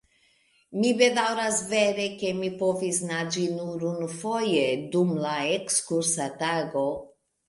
Mi bedaŭras vere, ke mi povis naĝi nur unufoje, dum la ekskursa tago.